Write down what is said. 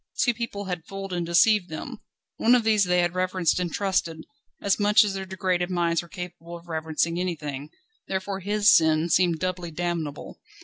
Two people had fooled and deceived them. One of these they had reverenced and trusted, as much as their degraded minds were capable of reverencing anything, therefore his sin seemed doubly damnable.